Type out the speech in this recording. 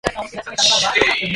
百合の間に挟まる男を消すデーモン